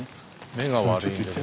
目が悪いんでね。